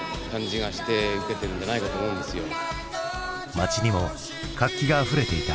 街にも活気があふれていた。